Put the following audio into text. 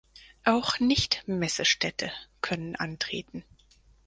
Auch Nicht-Messestädte können antreten.